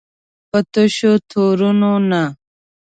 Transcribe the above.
په تشو تورونو نه.